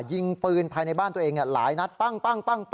ยิงปืนภายในบ้านตัวเองหลายนัดปั้ง